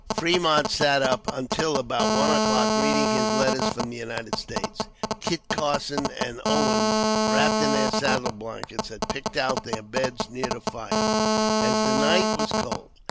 [Footnote 19: Blunt projecting mountains.] Fremont sat up until about one o'clock reading his letters from the United States. Kit Carson and Owens, wrapped in their saddle blankets, had picked out their beds near the fire, as the night was cold.